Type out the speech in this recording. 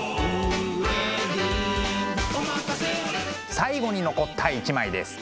最後に残った一枚です。